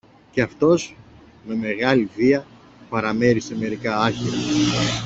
και αυτός με μεγάλη βία παραμέρισε μερικά άχυρα